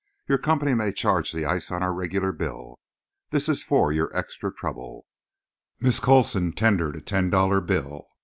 Your company may charge the ice on our regular bill. This is for your extra trouble." Miss Coulson tendered a ten dollar bill.